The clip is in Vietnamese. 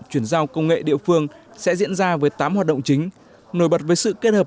chuyển giao công nghệ địa phương sẽ diễn ra với tám hoạt động chính nổi bật với sự kết hợp